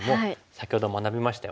先ほど学びましたよね。